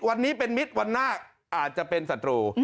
วันนี้เป็นมิตรวันหน้าอาจจะเป็นศัตรู